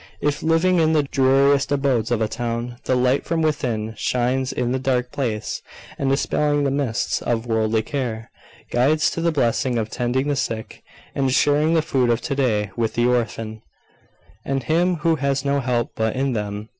If living in the dreariest abodes of a town, the light from within shines in the dark place, and, dispelling the mists of worldly care, guides to the blessing of tending the sick, and sharing the food of to day with the orphan, and him who has no help but in them.